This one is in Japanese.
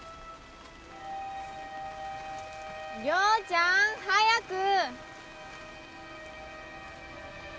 亮ちゃん。早く！